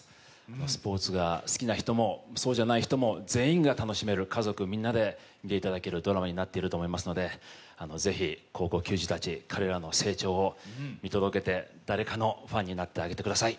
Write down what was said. スポーツが好きな人も、そうじゃない人も、全員が楽しめる、家族みんなで見ていただけるドラマになっていると思いますので、是非、高校球児たちの成長を見届けて誰かのファンになってあげてください。